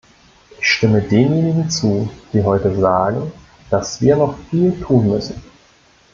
Ich stimme denjenigen zu, die heute sagen, dass wir noch viel tun müssen.